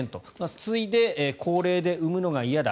次いで高齢で産むのが嫌だ